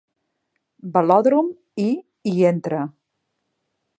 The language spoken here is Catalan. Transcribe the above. Velòdrom i hi entra.